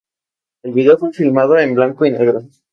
El video fue filmado en blanco y negro.